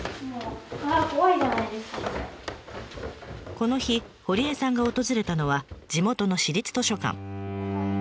この日堀江さんが訪れたのは地元の私立図書館。